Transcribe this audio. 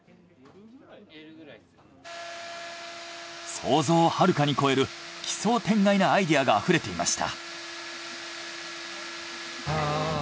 想像をはるかに超える奇想天外なアイデアがあふれていました。